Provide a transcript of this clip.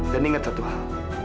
dan inget satu hal